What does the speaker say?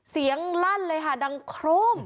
เสียงลั่นเลยค่ะดังโคร่ง